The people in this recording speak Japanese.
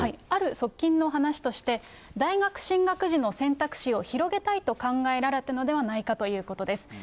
ある側近の話として、大学進学時の選択肢を広げたいと考えられたのではないかということです。